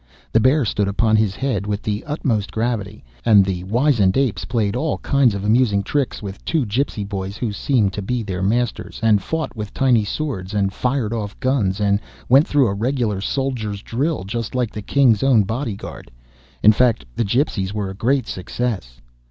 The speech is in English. The bear stood upon his head with the utmost gravity, and the wizened apes played all kinds of amusing tricks with two gipsy boys who seemed to be their masters, and fought with tiny swords, and fired off guns, and went through a regular soldier's drill just like the King's own bodyguard. In fact the gipsies were a great success.